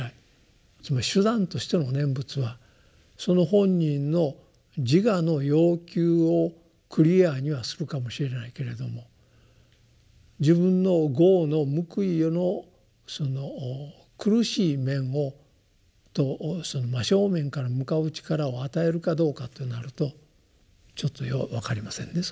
つまり手段としての念仏はその本人の自我の要求をクリアにはするかもしれないけれども自分の業の報いへのその苦しい面と真正面から向かう力を与えるかどうかとなるとちょっとよう分かりませんね